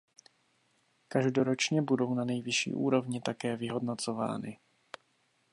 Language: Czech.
Každoročně budou na nejvyšší úrovni také vyhodnocovány.